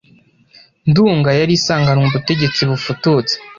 Nduga yari isanganywe ubutegetsi bufututse